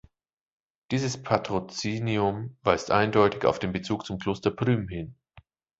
Dieses Patrozinium weist eindeutig auf den Bezug zum Kloster Prüm hin.